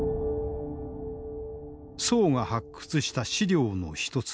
宋が発掘した資料の一つ